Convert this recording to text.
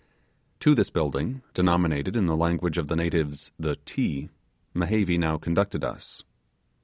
To this building, denominated in the language of the natives the 'Ti', Mehevi now conducted us.